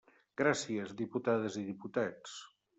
Gràcies, diputades i diputats.